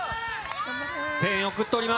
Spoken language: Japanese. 声援送っております。